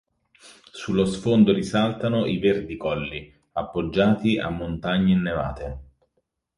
Sullo sfondo risaltano i verdi colli, appoggiati a montagne innevate.